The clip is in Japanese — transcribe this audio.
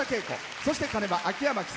そして鐘は秋山気清。